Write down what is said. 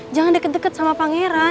jangan deket deket sama pangeran